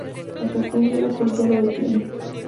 Hasta que un día a la policía lo detiene.